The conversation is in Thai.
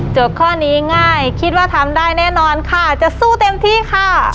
ข้อนี้ง่ายคิดว่าทำได้แน่นอนค่ะจะสู้เต็มที่ค่ะ